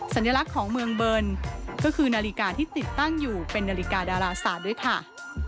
สัญลักษณ์ของเมืองเบิร์นก็คือนาฬิกาที่ติดตั้งอยู่เป็นนาฬิกาดาราศาสตร์ด้วยค่ะ